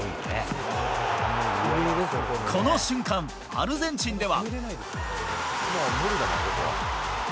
この瞬間、アルゼンチンでは。